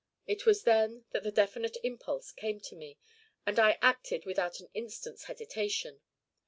It was then that the definite impulse came to me, and I acted without an instant's hesitation.